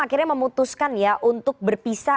akhirnya memutuskan untuk berpisah